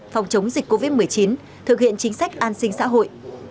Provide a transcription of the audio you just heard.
phòng chống dịch covid một mươi chín thực hiện chính sách an sinh xã hội